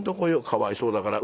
かわいそうだから。